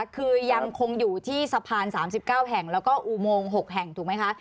คือยังคงอยู่ที่สะพาน๓๙แห่งแล้วก็อุโมง๖แห่งถูกไหมคะ